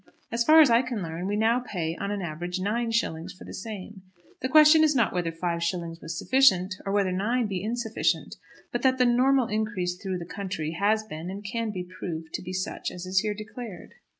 As far as I can learn, we now pay, on an average, nine shillings for the same. The question is not whether five shillings was sufficient, or whether nine be insufficient, but that the normal increase through the country has been and can be proved to be such as is here declared.